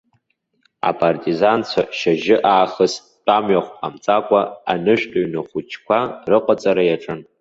Апартизанцәа шьыжьы аахыс, тәамҩахә ҟамҵакәа, анышәтә ҩны хәыҷқәа рыҟаҵара иаҿын.